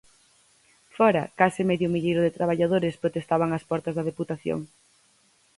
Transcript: Fóra, case medio milleiro de traballadores protestaban ás portas da Deputación.